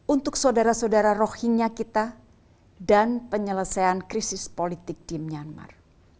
untuk saudara saudara rohingya kita dan penyelesaian krisis politik di myanmar